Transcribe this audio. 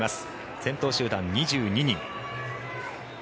先頭集団、２２人。